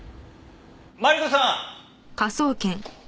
マリコさん！